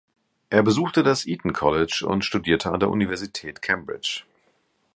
Er besuchte das Eton College und studierte an der Universität Cambridge.